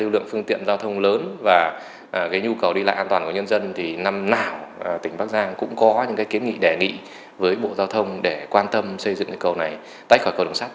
lưu lượng phương tiện giao thông lớn và cái nhu cầu đi lại an toàn của nhân dân thì năm nào tỉnh bắc giang cũng có những kiến nghị đề nghị với bộ giao thông để quan tâm xây dựng cây cầu này tách khỏi cầu đường sắt